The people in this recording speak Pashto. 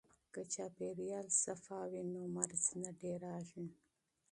که چاپیریال پاک وي نو مرض نه ډیریږي.